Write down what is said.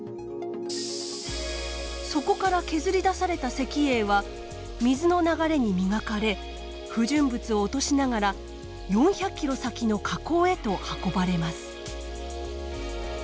そこから削り出された石英は水の流れに磨かれ不純物を落としながら４００ｋｍ先の河口へと運ばれます。